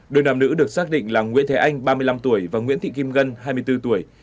đôi nam nữ được xác định là nguyễn thế anh ba mươi năm tuổi và nguyễn thị kim ngân hai mươi bốn tuổi